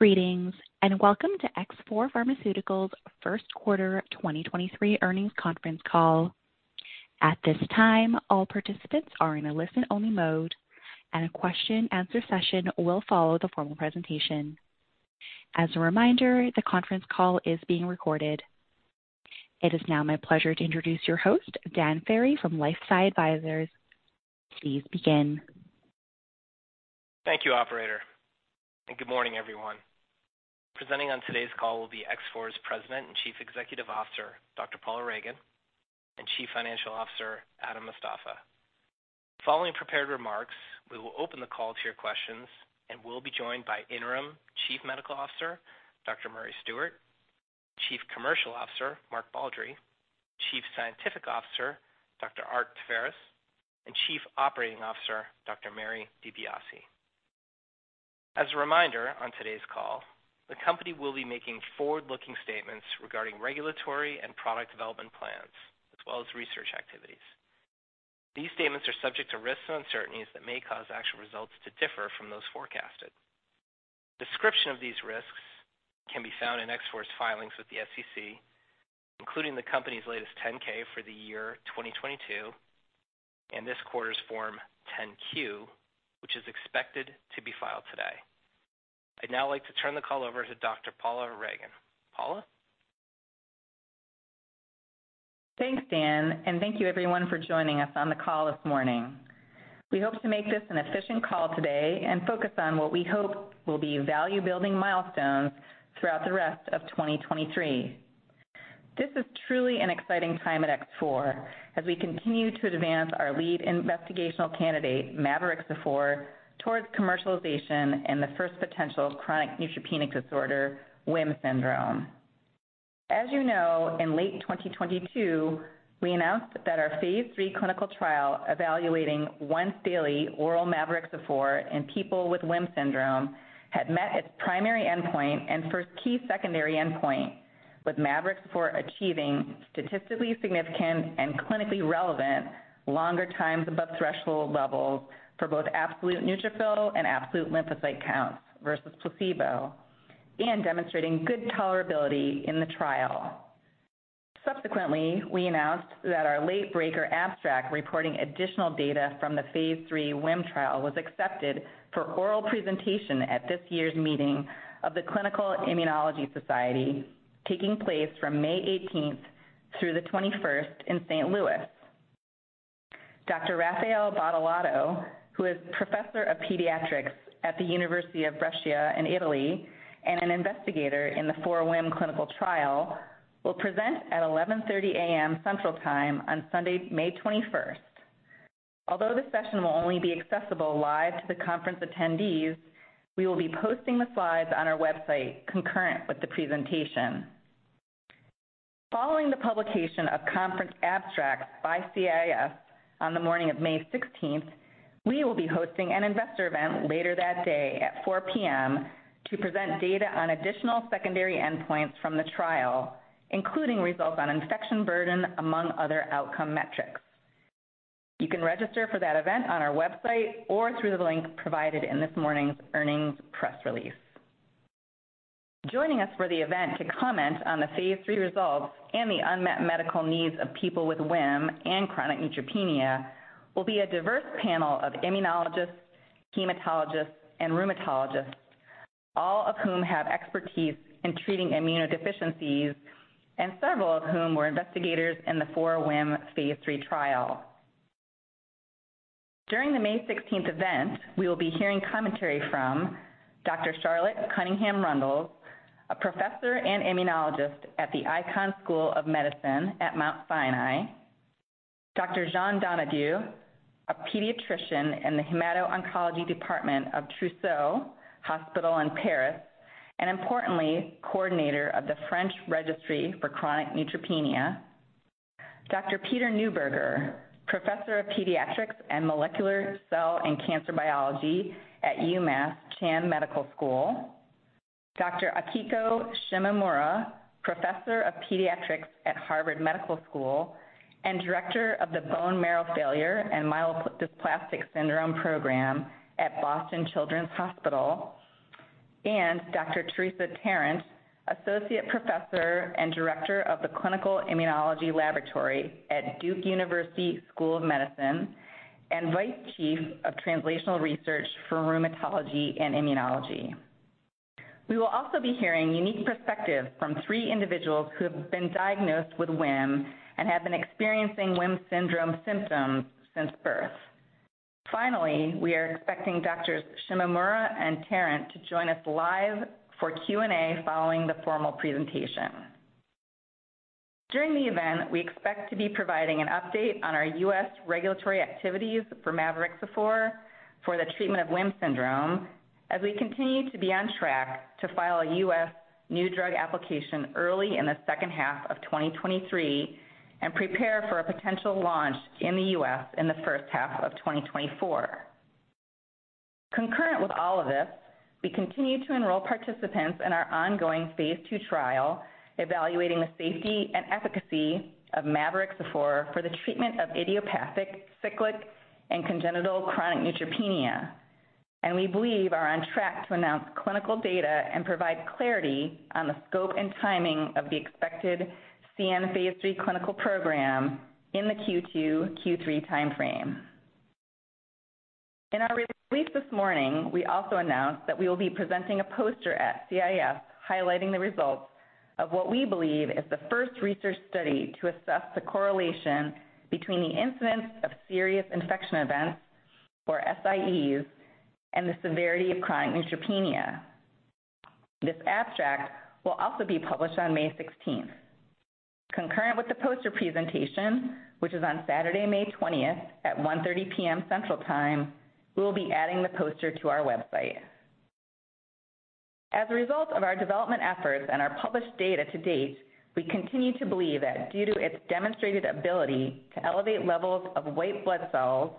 Greetings, welcome to X4 Pharmaceuticals' first quarter 2023 earnings conference call. At this time, all participants are in a listen-only mode, and a question answer session will follow the formal presentation. As a reminder, the conference call is being recorded. It is now my pleasure to introduce your host, Dan Ferry from LifeSci Advisors. Please begin. Thank you, operator. Good morning, everyone. Presenting on today's call will be X4's President and Chief Executive Officer, Dr. Paula Ragan, and Chief Financial Officer, Adam Mostafa. Following prepared remarks, we will open the call to your questions and will be joined by Interim Chief Medical Officer, Dr. Murray Stewart; Chief Commercial Officer, Mark Baldry; Chief Scientific Officer, Dr. Art Taveras; and Chief Operating Officer, Dr. Mary DiBiase. As a reminder, on today's call, the company will be making forward-looking statements regarding regulatory and product development plans, as well as research activities. These statements are subject to risks and uncertainties that may cause actual results to differ from those forecasted. Description of these risks can be found in X4's filings with the SEC, including the company's latest 10-K for the year 2022 and this quarter's Form 10-Q, which is expected to be filed today. I'd now like to turn the call over to Dr. Paula Ragan. Paula? Thanks, Dan. Thank you everyone for joining us on the call this morning. We hope to make this an efficient call today and focus on what we hope will be value-building milestones throughout the rest of 2023. This is truly an exciting time at X4 as we continue to advance our lead investigational candidate, mavorixafor, towards commercialization and the first potential chronic neutropenia disorder WHIM syndrome. As you know, in late 2022, we announced that our phase III clinical trial evaluating once daily oral mavorixafor in people with WHIM syndrome had met its primary endpoint and first key secondary endpoint, with mavorixafor achieving statistically significant and clinically relevant longer times above threshold levels for both absolute neutrophil and absolute lymphocyte counts versus placebo and demonstrating good tolerability in the trial. Subsequently, we announced that our late-breaker abstract reporting additional data from the phase III WHIM trial was accepted for oral presentation at this year's meeting of the Clinical Immunology Society taking place from May 18th through the 21st in St. Louis. Dr. Raffaele Badolato, who is Professor of Pediatrics at the University of Brescia in Italy and an investigator in the 4WHIM clinical trial, will present at 11:30 A.M. Central Time on Sunday, May 21st. Although the session will only be accessible live to the conference attendees, we will be posting the slides on our website concurrent with the presentation. Following the publication of conference abstracts by CIS on the morning of May 16th, we will be hosting an investor event later that day at 4:00 P.M. to present data on additional secondary endpoints from the trial, including results on infection burden, among other outcome metrics. You can register for that event on our website or through the link provided in this morning's earnings press release. Joining us for the event to comment on the phase III results and the unmet medical needs of people with WHIM and chronic neutropenia will be a diverse panel of immunologists, hematologists, and rheumatologists, all of whom have expertise in treating immunodeficiencies and several of whom were investigators in the 4WHIM phase III trial. During the May 16th event, we will be hearing commentary from Dr. Charlotte Cunningham-Rundles, a professor and immunologist at the Icahn School of Medicine at Mount Sinai. Dr. Jean Donadieu, a pediatrician in the Hemato-Oncology Department of Trousseau Hospital in Paris, and importantly, coordinator of the French Registry for Chronic Neutropenia. Dr. Peter Newburger, Professor of Pediatrics and Molecular, Cell, and Cancer Biology at UMass Chan Medical School. Dr. Akiko Shimamura, Professor of Pediatrics at Harvard Medical School and Director of the Bone Marrow Failure and Myelodysplastic Syndrome Program at Boston Children's Hospital. Dr. Teresa Tarrant, Associate Professor and Director of the Clinical Immunology Laboratory at Duke University School of Medicine and Vice Chief of Translational Research for Rheumatology and Immunology. We will also be hearing unique perspectives from three individuals who have been diagnosed with WHIM and have been experiencing WHIM syndrome symptoms since birth. Finally, we are expecting Doctors Shimamura and Tarrant to join us live for Q&A following the formal presentation. During the event, we expect to be providing an update on our U.S. regulatory activities for mavorixafor for the treatment of WHIM syndrome as we continue to be on track to file a U.S. new drug application early in the second half of 2023 and prepare for a potential launch in the U.S. in the first half of 2024. Concurrent with all of this, we continue to enroll participants in our ongoing phase II trial evaluating the safety and efficacy of mavorixafor for the treatment of idiopathic, cyclic, and congenital chronic neutropenia. We believe are on track to announce clinical data and provide clarity on the scope and timing of the expected CN phase III clinical program in the Q2/Q3 time frame. In our release this morning, we also announced that we will be presenting a poster at CIS highlighting the results of what we believe is the first research study to assess the correlation between the incidence of serious infection events, or SIEs, and the severity of chronic neutropenia. This abstract will also be published on May 16th. Concurrent with the poster presentation, which is on Saturday, May 20th at 1:30 P.M. Central Time, we will be adding the poster to our website. As a result of our development efforts and our published data to date, we continue to believe that due to its demonstrated ability to elevate levels of white blood cells,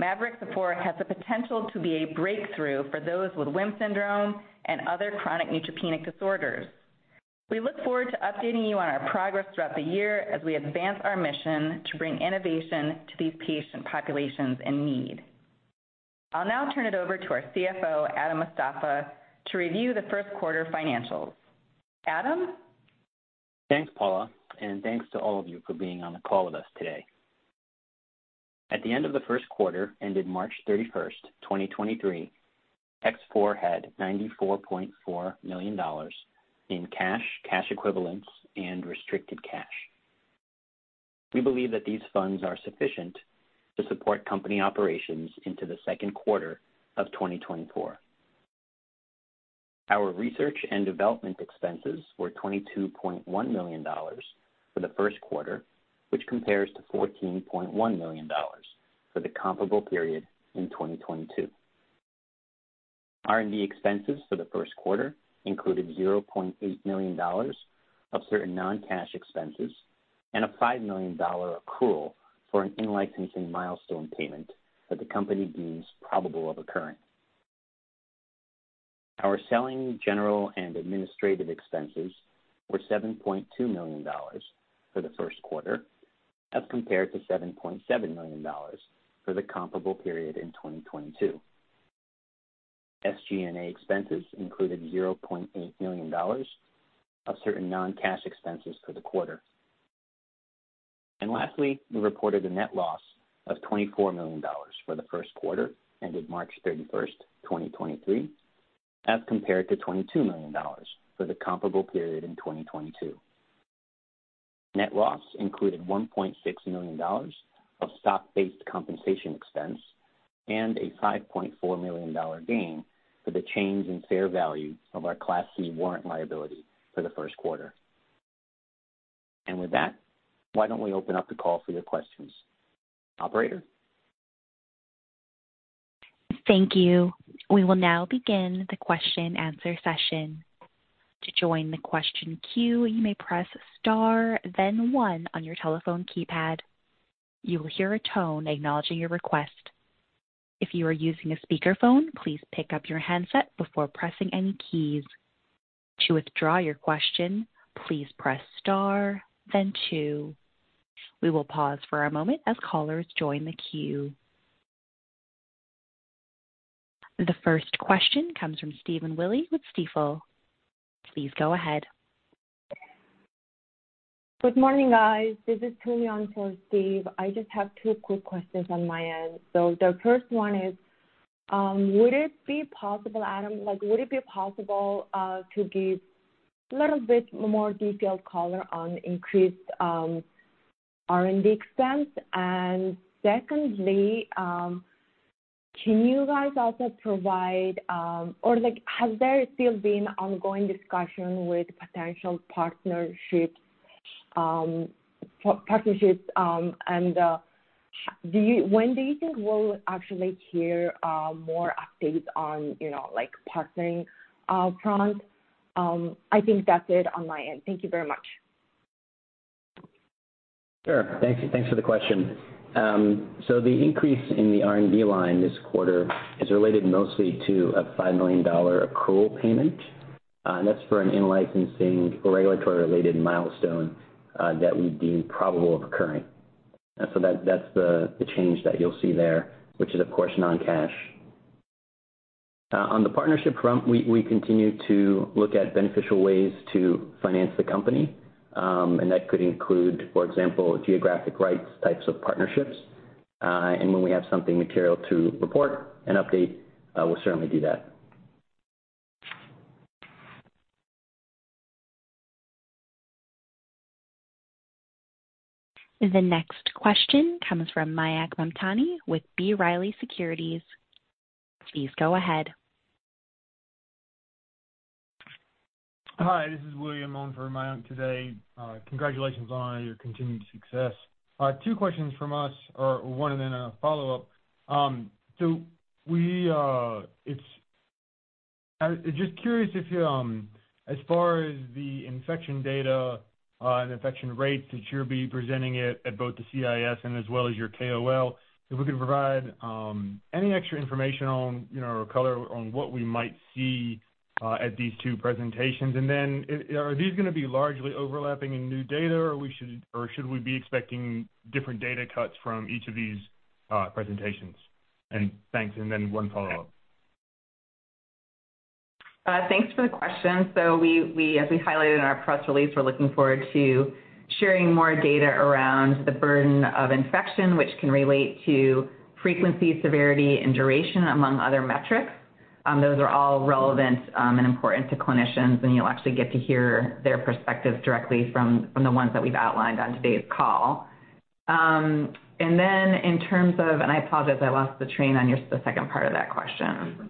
mavorixafor has the potential to be a breakthrough for those with WHIM syndrome and other chronic neutropenic disorders. We look forward to updating you on our progress throughout the year as we advance our mission to bring innovation to these patient populations in need. I'll now turn it over to our CFO, Adam Mostafa, to review the first quarter financials. Adam? Thanks, Paula. Thanks to all of you for being on the call with us today. At the end of the first quarter, ended March 31st, 2023, X4 had $94.4 million in cash equivalents, and restricted cash. We believe that these funds are sufficient to support company operations into the second quarter of 2024. Our research and development expenses were $22.1 million for the first quarter, which compares to $14.1 million for the comparable period in 2022. R&D expenses for the first quarter included $0.8 million of certain non-cash expenses and a $5 million accrual for an in-licensing milestone payment that the company deems probable of occurring. Our selling, general and administrative expenses were $7.2 million for the first quarter as compared to $7.7 million for the comparable period in 2022. SG&A expenses included $0.8 million of certain non-cash expenses for the quarter. Lastly, we reported a net loss of $24 million for the first quarter ended March 31st, 2023, as compared to $22 million for the comparable period in 2022. Net loss included $1.6 million of stock-based compensation expense and a $5.4 million gain for the change in fair value of our Class C warrant liability for the first quarter. With that, why don't we open up the call for your questions? Operator? Thank you. We will now begin the question-answer session. To join the question queue, you may press star then one on your telephone keypad. You will hear a tone acknowledging your request. If you are using a speakerphone, please pick up your handset before pressing any keys. To withdraw your question, please press star then two. We will pause for a moment as callers join the queue. The first question comes from Stephen Willey with Stifel. Please go ahead. Good morning, guys. This is Tony on for Steve. I just have two quick questions on my end. The first one is, would it be possible, Adam, would it be possible to give little bit more detailed color on increased R&D expense? Secondly, can you guys also provide, has there still been ongoing discussion with potential partnerships, when do you think we'll actually hear more updates on partnering front? I think that's it on my end. Thank you very much. Sure. Thank you. Thanks for the question. The increase in the R&D line this quarter is related mostly to a $5 million accrual payment, and that's for an in-licensing regulatory-related milestone, that we deem probable of occurring. That's the change that you'll see there, which is of course non-cash. On the partnership front, we continue to look at beneficial ways to finance the company, and that could include, for example, geographic rights types of partnerships. When we have something material to report and update, we'll certainly do that. The next question comes from Mayank Mamtani with B. Riley Securities. Please go ahead. Hi, this is William on for Mayank today. Congratulations on your continued success. Two questions from us, or one and then a follow-up. So we, just curious if you, as far as the infection data, and infection rates that you'll be presenting it at both the CIS and as well as your KOL, if we could provide, any extra information on, you know, or color on what we might see, at these two presentations? Are these gonna be largely overlapping in new data, or should we be expecting different data cuts from each of these, presentations? Thanks. Then one follow-up. Thanks for the question. As we highlighted in our press release, we're looking forward to sharing more data around the burden of infection, which can relate to frequency, severity, and duration, among other metrics. Those are all relevant and important to clinicians, and you'll actually get to hear their perspectives directly from the ones that we've outlined on today's call. In terms of... I apologize, I lost the train on your, the second part of that question.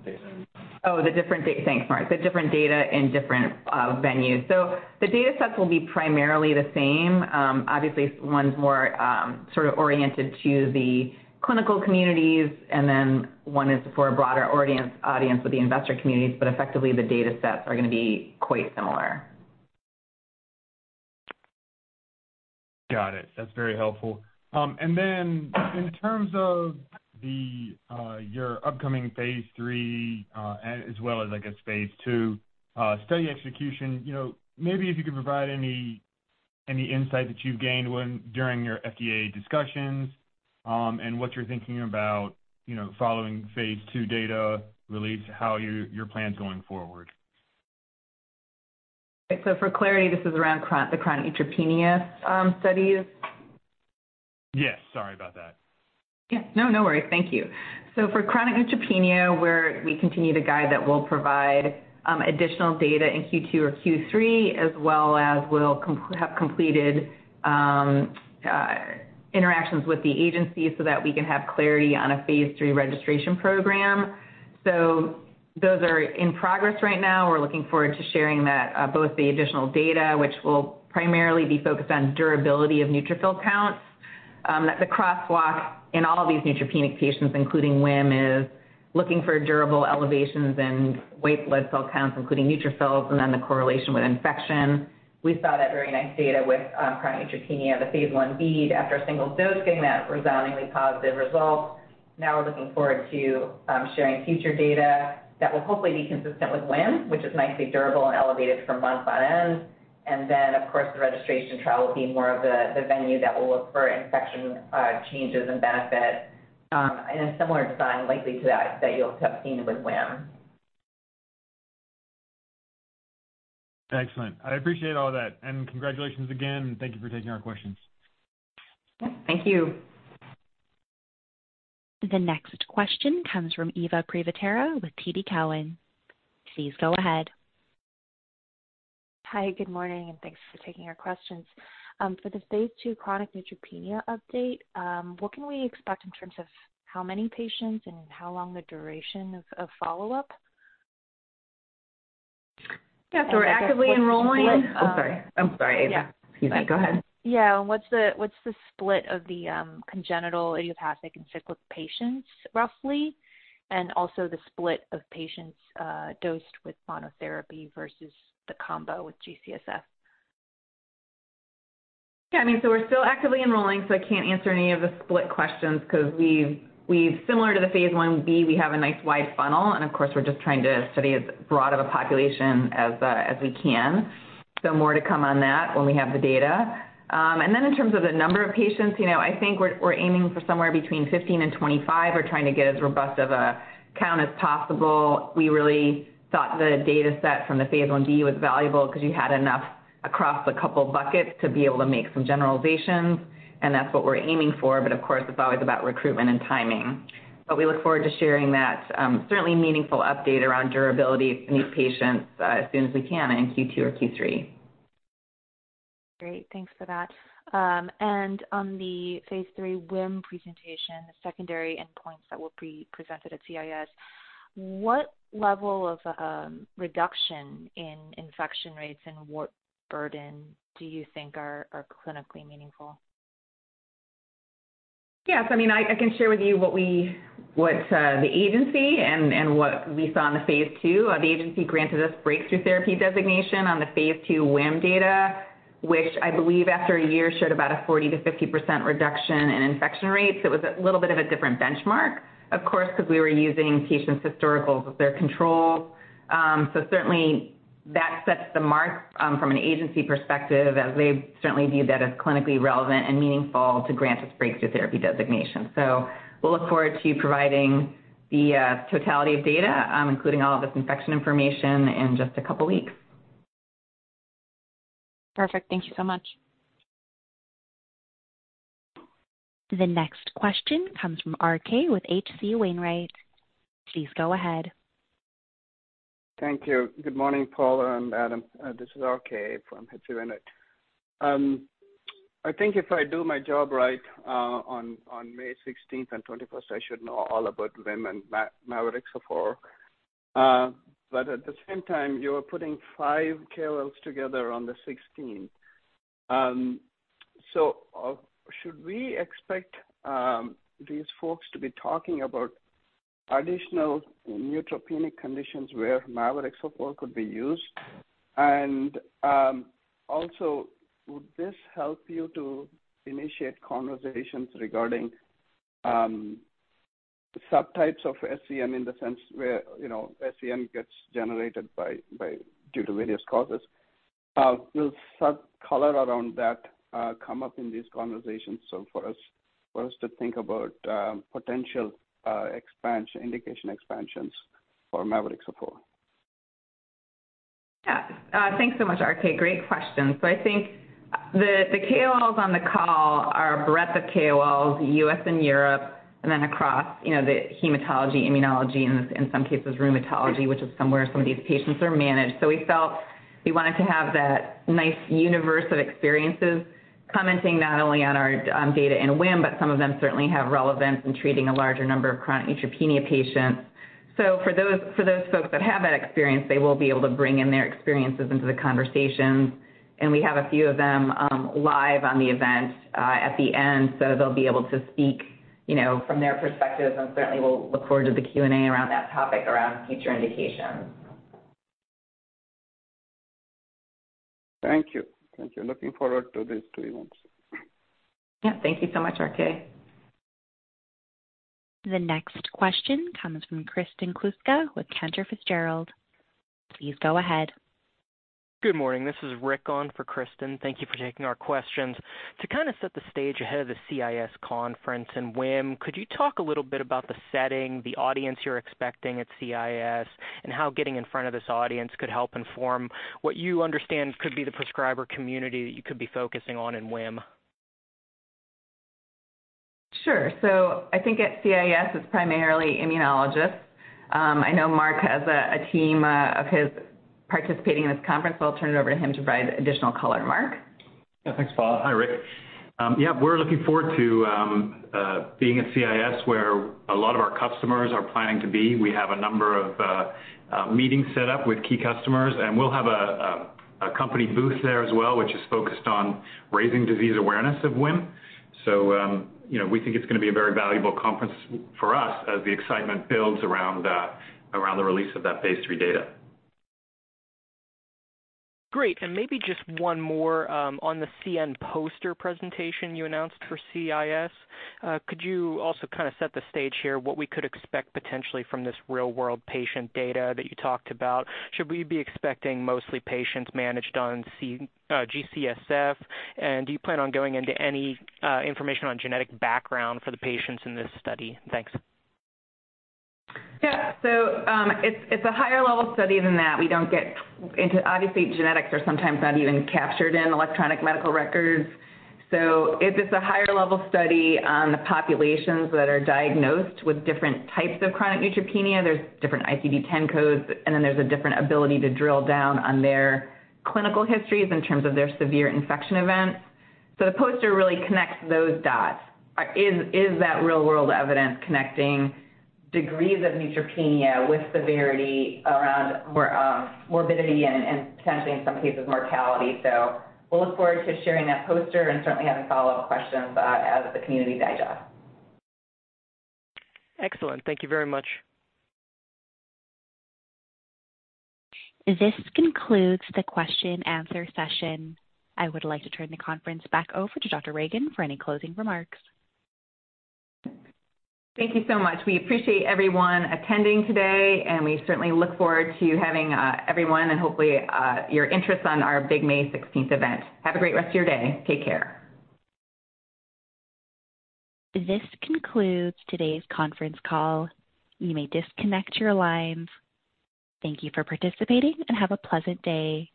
The different data. Thanks, Mark. The different data in different venues. The data sets will be primarily the same. Obviously, one's more sort of oriented to the clinical communities, and then one is for a broader audience with the investor communities, but effectively, the data sets are gonna be quite similar. Got it. That's very helpful. In terms of your upcoming phase III, as well as I guess phase II, study execution, you know, maybe if you could provide any insight that you've gained during your FDA discussions, and what you're thinking about, you know, following phase II data relates how your plans going forward. For clarity, this is around the chronic neutropenia, studies? Yes. Sorry about that. No, no worries. Thank you. For chronic neutropenia, we continue to guide that we'll provide additional data in Q2 or Q3, as well as we'll have completed interactions with the agency so that we can have clarity on a phase III registration program. Those are in progress right now. We're looking forward to sharing that, both the additional data, which will primarily be focused on durability of neutrophil counts. That's a crosswalk in all these neutropenic patients, including WHIM, is looking for durable elevations in white blood cell counts, including neutrophils, and then the correlation with infection. We saw that very nice data with chronic neutropenia, the phase I-B after a single dosing, that resoundingly positive results. Now we're looking forward to sharing future data that will hopefully be consistent with WHIM, which is nicely durable and elevated for months on end. Of course, the registration trial will be more of the venue that will look for infection changes and benefit in a similar design likely to that you'll have seen with WHIM. Excellent. I appreciate all that. Congratulations again, and thank you for taking our questions. Yeah. Thank you. The next question comes from Eva Privitera with TD Cowen. Please go ahead. Hi, good morning, thanks for taking our questions. For the phase II chronic neutropenia update, what can we expect in terms of how many patients and how long the duration of follow-up? Yeah, we're actively enrolling. Oh, sorry. I'm sorry, Eva. Yeah. Excuse me. Go ahead. Yeah. What's the, what's the split of the congenital, idiopathic, and cyclic patients, roughly? Also the split of patients, dosed with monotherapy versus the combo with G-CSF. Yeah, I mean, we're still actively enrolling, so I can't answer any of the split questions because similar to the phase I-B, we have a nice wide funnel, and of course, we're just trying to study as broad of a population as we can. More to come on that when we have the data. In terms of the number of patients, you know, I think we're aiming for somewhere between 15 and 25. We're trying to get as robust of a count as possible. We really thought the dataset from the phase I-B was valuable because you had enough across a couple buckets to be able to make some generalizations, and that's what we're aiming for. Of course, it's always about recruitment and timing. We look forward to sharing that, certainly meaningful update around durability for these patients as soon as we can in Q2 or Q3. Great. Thanks for that. On the phase III WHIM presentation, the secondary endpoints that will be presented at CIS, what level of reduction in infection rates and what burden do you think are clinically meaningful? Yes. I can share with you what the agency and what we saw in the phase II. The agency granted us Breakthrough Therapy designation on the phase II WHIM data, which I believe after a year showed about a 40%-50% reduction in infection rates. It was a little bit of a different benchmark, of course, because we were using patients' historical as their control. Certainly that sets the mark from an agency perspective, as they certainly viewed that as clinically relevant and meaningful to grant us Breakthrough Therapy designation. We'll look forward to providing the totality of data, including all of this infection information in just a couple weeks. Perfect. Thank you so much. The next question comes from R.K. with H.C. Wainwright & Co. Please go ahead. Thank you. Good morning, Paula and Adam. This is R.K. from H.C. Wainwright. I think if I do my job right, on May 16th and 21st, I should know all about WHIM and mavorixafor. At the same time, you are putting five KOLs together on the 16th. Should we expect these folks to be talking about additional neutropenic conditions where mavorixafor could be used? Also, would this help you to initiate conversations regarding subtypes of SCN in the sense where, you know, SCN gets generated due to various causes? Will some color around that come up in these conversations? For us to think about potential expansion, indication expansions for mavorixafor. Thanks so much, R.K. Great question. I think the KOLs on the call are a breadth of KOLs, U.S. and Europe, and then across, you know, the hematology, immunology, and in some cases rheumatology, which is somewhere some of these patients are managed. We felt we wanted to have that nice universe of experiences commenting not only on our data in WHIM, but some of them certainly have relevance in treating a larger number of chronic neutropenia patients. For those, for those folks that have that experience, they will be able to bring in their experiences into the conversation. We have a few of them live on the event, at the end, so they'll be able to speak, you know, from their perspective, and certainly we'll look forward to the Q&A around that topic around future indications. Thank you. Thank you. Looking forward to these two events. Yeah. Thank you so much, R.K. The next question comes from Kristen Kluska with Cantor Fitzgerald. Please go ahead. Good morning. This is Rick on for Kristen. Thank you for taking our questions. To kind of set the stage ahead of the CIS conference and WHIM, could you talk a little bit about the setting, the audience you're expecting at CIS and how getting in front of this audience could help inform what you understand could be the prescriber community that you could be focusing on in WHIM? Sure. I think at CIS it's primarily immunologists. I know Mark has a team of his participating in this conference, so I'll turn it over to him to provide additional color. Mark? Thanks, Paula. Hi, Rick. We're looking forward to being at CIS where a lot of our customers are planning to be. We have a number of meetings set up with key customers, and we'll have a company booth there as well, which is focused on raising disease awareness of WHIM. You know, we think it's gonna be a very valuable conference for us as the excitement builds around the release of that phase III data. Great. Maybe just one more on the CN poster presentation you announced for CIS. Could you also kind of set the stage here what we could expect potentially from this real-world patient data that you talked about? Should we be expecting mostly patients managed on G-CSF? Do you plan on going into any information on genetic background for the patients in this study? Thanks. It's a higher level study than that. We don't get into. Obviously, genetics are sometimes not even captured in electronic medical records. It is a higher level study on the populations that are diagnosed with different types of chronic neutropenia. There's different ICD-10 codes, and then there's a different ability to drill down on their clinical histories in terms of their severe infection events. The poster really connects those dots. Is that real-world evidence connecting degrees of neutropenia with severity around morbidity and potentially in some cases mortality. We'll look forward to sharing that poster and certainly having follow-up questions as the community digests. Excellent. Thank you very much. This concludes the question answer session. I would like to turn the conference back over to Dr. Ragan for any closing remarks. Thank you so much. We appreciate everyone attending today, and we certainly look forward to having everyone and hopefully your interest on our big May 16th event. Have a great rest of your day. Take care. This concludes today's conference call. You may disconnect your lines. Thank you for participating and have a pleasant day.